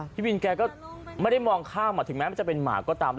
พี่วินแกก็ไม่ได้มองข้ามถึงแม้มันจะเป็นหมาก็ตาม